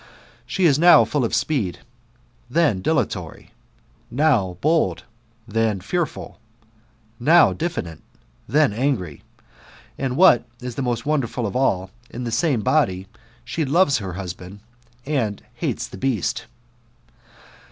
She is now full of speed, then dilatory ; noW bold, theii fearful: now diffident, then angry ; and what is the most wonderful of all, in the same l>ody she loves the husband ind hates the beast.